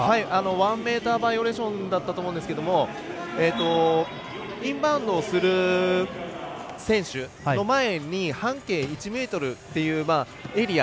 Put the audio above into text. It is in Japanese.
１ｍバイオレーションだったと思うんですけどインバウンドをする選手の前に半径１ｍというエリア。